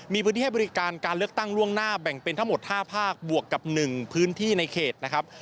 มีพื้นที่ให้บริการการเลือกตั้งล่วงหน้าแบ่งเป็นทั้งหมด๕ภาคบวกกับ๑พื้นที่ในเขตนะครับ